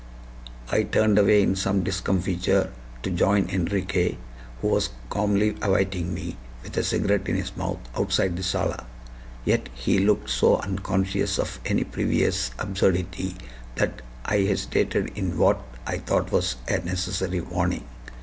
I turned away in some discomfiture to join Enriquez, who was calmly awaiting me, with a cigarette in his mouth, outside the sala. Yet he looked so unconscious of any previous absurdity that I hesitated in what I thought was a necessary warning.